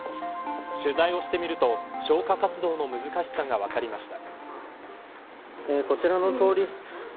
取材をしてみると消火活動の難しさが分かりました。